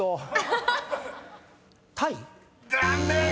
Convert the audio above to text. ［残念！